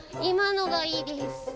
いまのがいいです。